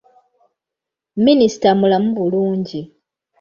Minisita mulamu bulungi.